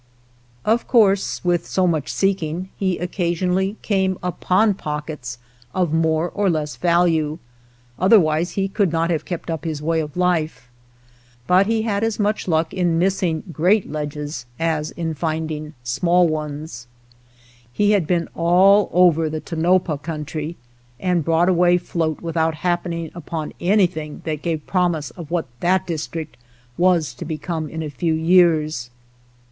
Of course with so much seeking he came 77 THE POCKET HUNTER occasionally upon pockets of more or less value, otherwise he could not have kept up his way of life ; but he had as much luck in missing great ledges as in finding small ones. He had been all over the Tonopah country, and brought away float without happening upon anything that gave pro mise of what that district was to become in a few years.